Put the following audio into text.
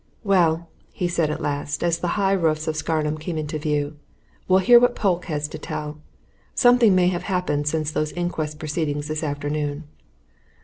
"Well!" he said at last, as the high roofs of Scarnham came in view, "we'll hear what Polke has to tell. Something may have happened since those inquest proceedings this afternoon."